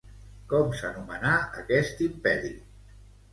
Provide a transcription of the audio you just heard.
Com s'anomenà aquest imperi?